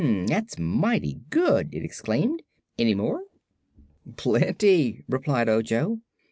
"That's mighty good!" it exclaimed. "Any more?" "Plenty," replied Ojo.